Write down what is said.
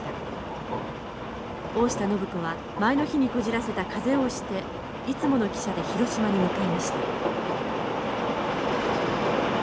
大下靖子は前の日にこじらせた風邪をおしていつもの汽車で広島に向かいました。